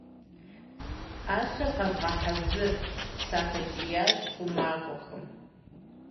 - Ӏэщэр къэвгъэхьэзыр! – сахэкӀиящ хъумакӀуэхэм.